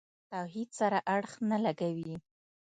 توحید سره اړخ نه لګوي.